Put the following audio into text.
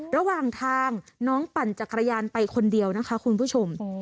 ระหว่างทางน้องปั่นจักรยานไปคนเดียวนะคะคุณผู้ชม